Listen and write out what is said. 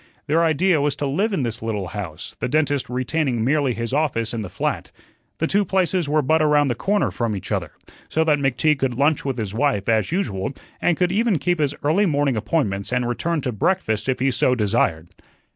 Their idea was to live in this little house, the dentist retaining merely his office in the flat. The two places were but around the corner from each other, so that McTeague could lunch with his wife, as usual, and could even keep his early morning appointments and return to breakfast if he so desired.